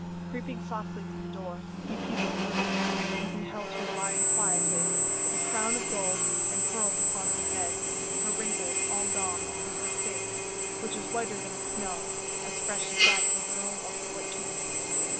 Creeping softly to the door, he peeped through it, and beheld her lying quietly, with a crown of gold and pearls upon her head, her wrinkles all gone, and her face, which was whiter than the snow, as fresh as that of a girl of fourteen.